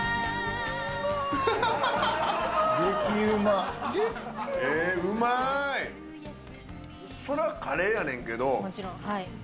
うまい！